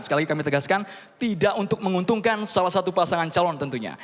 sekali lagi kami tegaskan tidak untuk menguntungkan salah satu pasangan calon tentunya